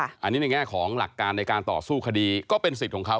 อันนี้ในแง่ของหลักการในการต่อสู้คดีก็เป็นสิทธิ์ของเขา